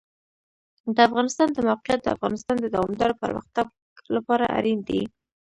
د افغانستان د موقعیت د افغانستان د دوامداره پرمختګ لپاره اړین دي.